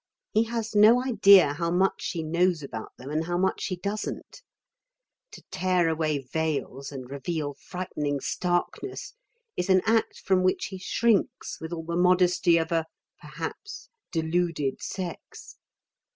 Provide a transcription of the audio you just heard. He has no idea how much she knows about them and how much she doesn't. To tear away veils and reveal frightening starkness is an act from which he shrinks with all the modesty of a (perhaps) deluded sex.